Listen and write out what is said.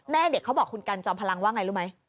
แม่เด็กเขาบอกคุณกันจอมพลังว่าไงรู้ไหม